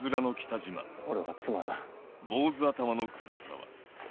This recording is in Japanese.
俺は妻だ。